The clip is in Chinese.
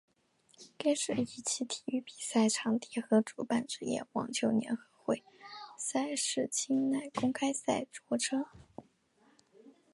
该市以其体育比赛场地和主办职业网球联合会赛事清奈公开赛着称。